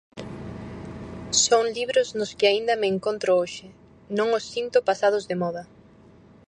Son libros nos que aínda me encontro hoxe, non os sinto pasados de moda.